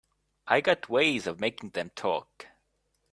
I got ways of making them talk.